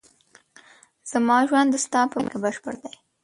زما ژوند د ستا په مینه کې بشپړ دی.